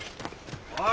おい。